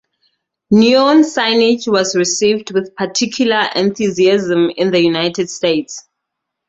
Neon signage was received with particular enthusiasm in the United States.